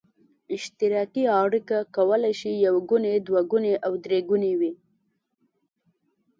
اشتراکي اړیکه کولای شي یو ګونې، دوه ګونې او درې ګونې وي.